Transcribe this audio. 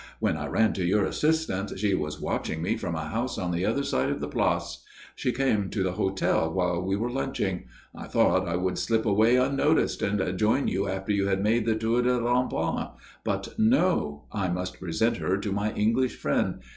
When I ran to your assistance she was watching me from a house on the other side of the place. She came to the hotel while we were lunching. I thought I would slip away unnoticed and join you after you had made the tour des remparts. But no. I must present her to my English friend.